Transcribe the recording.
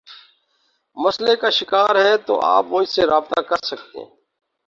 مسلئے کا شکار ہیں تو آپ مجھ سے رابطہ کر سکتے ہیں